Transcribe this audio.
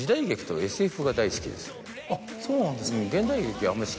あっそうなんですか。